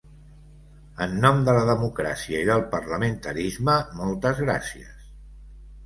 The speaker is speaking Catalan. En nom de la democràcia i del parlamentarisme, moltes gràcies.